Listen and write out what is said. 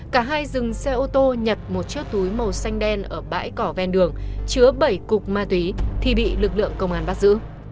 cả hai dừng xe ô tô nhặt một chiếc túi màu xanh đen ở bãi cỏ ven đường chứa bảy cục ma túy thì bị lực lượng công an bắt giữ